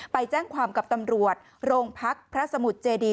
ไปแจ้งความกับตำรวจโรงพักพระสมุทรเจดี